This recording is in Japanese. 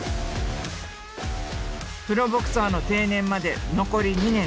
プロボクサーの定年まで残り２年。